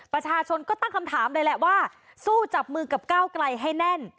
ประชาชนก็ตั้งคำถามเลยแหละว่าสู้จับมือกับก้าวไกลให้แน่น